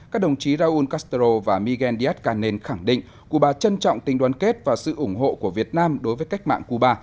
các đồng chí raúl castro và miguel díaz canel khẳng định cuba trân trọng tình đoàn kết và sự ủng hộ của việt nam đối với cách mạng cuba